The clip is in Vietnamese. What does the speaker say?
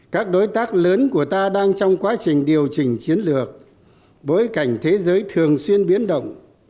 các đối tác lớn của ta đang trong quá trình điều chỉnh chiến lược bối cảnh thế giới thường xuyên biến động